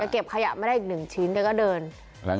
แกเก็บขยะมาได้อีกหนึ่งชิ้นแกก็เดินแล้วไหน